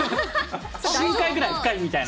深海ぐらい深いみたいな。